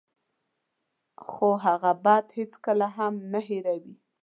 خو هغه بد هېڅکله هم نه هیروي.